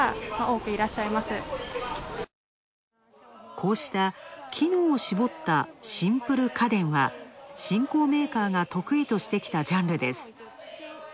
こうした機能を絞ったシンプル家電は、新興メーカーが得意としてきたジャンルです。